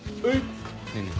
ねえねえ。